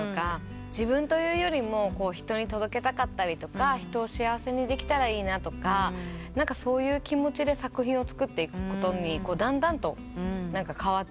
自分というよりも人に届けたかったりとか人を幸せにできたらいいなとかそういう気持ちで作品を作っていくことにだんだんと変わってってる気がします。